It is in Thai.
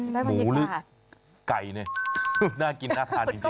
หมูหรือไก่เนี่ยน่ากินน่าทานจริง